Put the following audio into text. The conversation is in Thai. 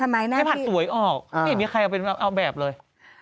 ไม่ผัดสวยออกไม่มีใครเอาแบบเลย